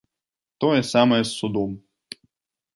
Тое самае з судом.